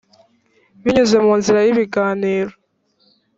binyuze mu nzira y ibiganiro